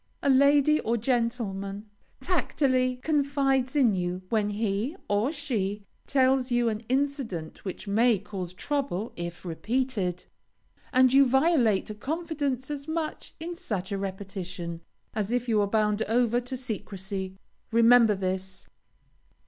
A lady or gentleman tacitly confides in you when he (or she) tells you an incident which may cause trouble if repeated, and you violate a confidence as much in such a repetition, as if you were bound over to secrecy. Remember this.